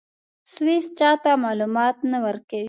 سویس چا ته معلومات نه ورکوي.